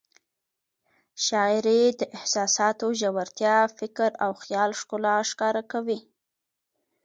شاعري د احساساتو ژورتیا، فکر او خیال ښکلا ښکاره کوي.